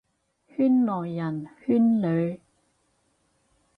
圈內人，圈裏，